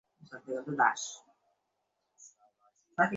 তবু আমি তোমার ব্যাপারটা পুরোপুরি বুঝতে চাই।